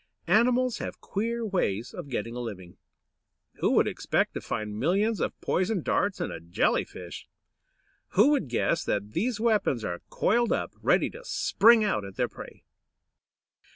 Animals have queer ways of getting a living. Who would expect to find millions of poisoned darts in a Jelly fish? Who would guess that these weapons are coiled up, ready to spring out at their prey?